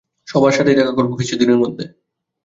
সবার সাথেই দেখা করবে কিছুদিনের মধ্যে।